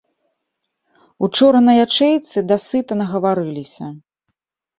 Учора на ячэйцы дасыта нагаварыліся.